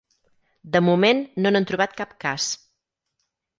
De moment no n'han trobat cap cas.